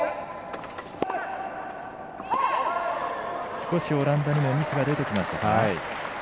少しオランダにもミスが出てきました。